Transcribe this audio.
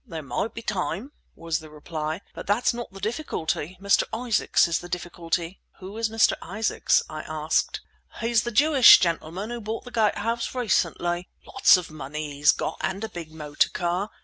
"There might be time," was the reply, "but that's not the difficulty. Mr. Isaacs is the difficulty." "Who is Mr. Isaacs?" I asked. "He's the Jewish gentleman who bought the Gate House recently. Lots of money he's got and a big motor car.